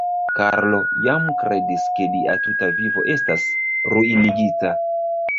Karlo jam kredis, ke lia tuta vivo estas ruinigita.